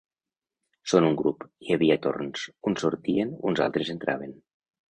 Són un grup, hi havia torns; uns sortien, uns altres entraven.